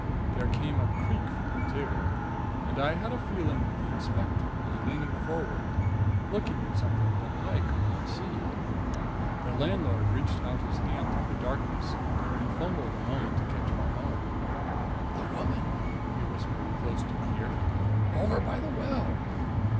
There came a creak from the table, and I had a feeling that the inspector was leaning forward, looking at something that I could not see. The landlord reached out his hand through the darkness, and fumbled a moment to catch my arm: "'The Woman!' he whispered, close to my ear. 'Over by the well.'